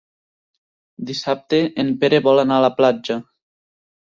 Dissabte en Pere vol anar a la platja.